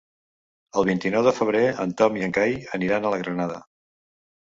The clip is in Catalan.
El vint-i-nou de febrer en Tom i en Cai aniran a la Granada.